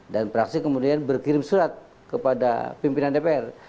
dan praksi kemudian berkirim surat kepada pimpinan dpr